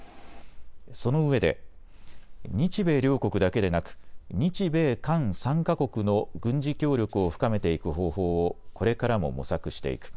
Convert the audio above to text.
そのうえで日米両国だけでなく日米韓３か国の軍事協力を深めていく方法をこれからも模索していく。